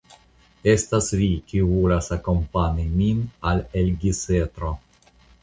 Estas vi, kiu volas akompani min al Elgisetro.